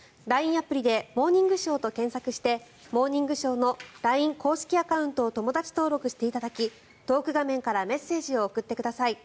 アプリで「モーニングショー」と検索して「モーニングショー」のＬＩＮＥ公式アカウントも友だち登録していただきトーク画面からメッセージを送ってください。